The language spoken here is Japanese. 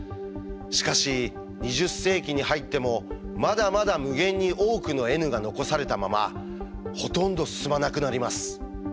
しかし２０世紀に入ってもまだまだ無限に多くのｎが残されたままほとんど進まなくなります。